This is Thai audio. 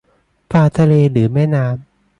ปลาทะเลหรือแม่น้ำ ?